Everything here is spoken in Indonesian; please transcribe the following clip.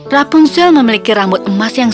rapunzel memiliki rambut emas yang